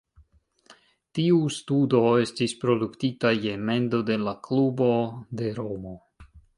Tiu studo estis produktita je mendo de la klubo de Romo.